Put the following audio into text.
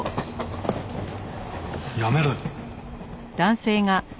やめろよ。